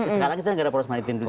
sekarang kita negara perusahaan